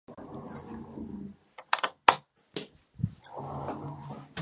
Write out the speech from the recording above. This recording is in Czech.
Nachází se zde řada domů gruzínské národní architektury a starý kostel Nejsvětější Trojice.